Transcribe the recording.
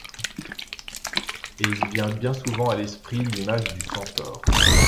Et il vient bien souvent à l'esprit l'image du Centaure...